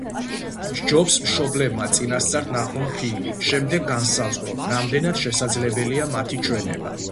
სჯობს მშობლებმა წინასწარ ნახონ ფილმი, შემდეგ განსაზღვრონ, რამდენად შესაძლებელია მათი ჩვენება.